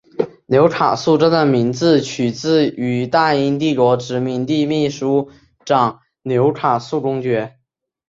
纽卡素这个名字取自于大英帝国殖民地秘书长纽卡素公爵。